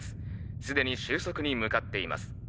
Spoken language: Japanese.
既に収束に向かっています。